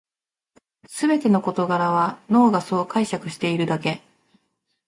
すべての事柄は脳がそう解釈しているだけ